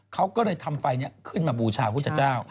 เขาก็เลยทำิเขาให้ปรรรษกระชะ